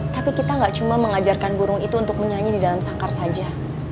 tapi kita gak cuma mengajarkan burung itu untuk menyanyi di dalam sangkar saja